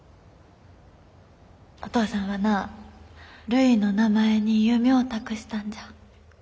お父さんはなるいの名前に夢ょお託したんじゃ。